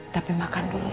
tapi makan dulu ya